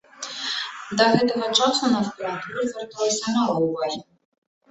Да гэтага часу на аспірантуру звярталася мала ўвагі.